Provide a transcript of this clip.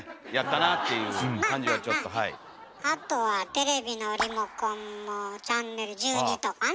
あとはテレビのリモコンもチャンネル１２とかね。